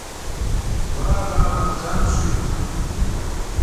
Bar galanjam şü.